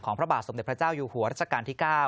พระบาทสมเด็จพระเจ้าอยู่หัวรัชกาลที่๙